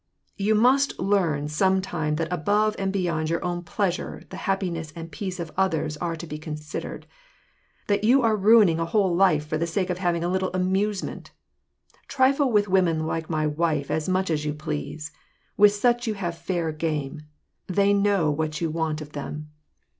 " You must learn some time that above and beyond your own pleasure the happiness and peace of others are to be con sidered ; that you are ruining a whole life for the sake of hav ing a little amusement. Trifle with women like my wife as much as you please — with such you have fair game ; they know what you want of them.